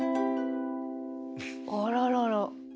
あららら。